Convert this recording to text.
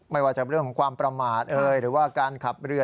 ไม่ว่าจะเรื่องของความประมาทหรือว่าการขับเรือ